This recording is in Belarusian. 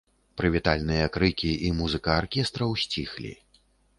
Прывітальныя крыкі і музыка аркестраў сціхлі.